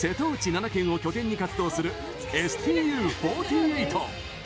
７県を拠点に活動するＳＴＵ４８。